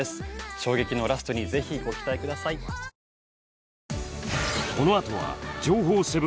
衝撃のラストにぜひご期待くださいクソー！